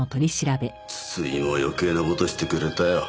筒井も余計な事してくれたよ。